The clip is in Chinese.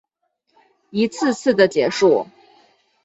一次次的结束